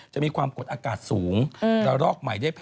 จะมีความกฎอากาศสูงแล้วรอกใหม่ได้แพทย์